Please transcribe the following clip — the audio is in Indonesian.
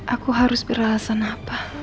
aku harus beralasan apa